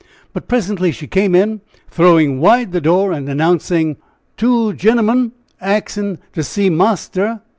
But presently she came in, throwing wide the door, and announcing: "Two gemmun, axin to see marster."